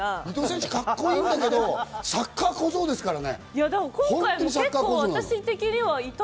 伊東選手、カッコいいんですけれども、サッカー小僧ですからね。